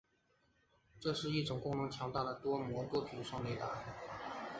这是一种功能强大的多模双频雷达。